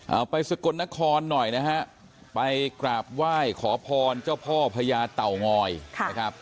ไปสกลนครหน่อยนะฮะไปกราบไหว้ขอพรเจ้าพ่อพญาเต่างอยนะครับ